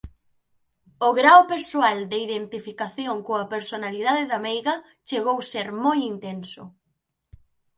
O grao persoal de identificación coa personalidade da meiga chegou ser moi intenso.